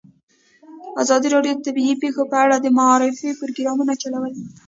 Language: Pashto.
ازادي راډیو د طبیعي پېښې په اړه د معارفې پروګرامونه چلولي.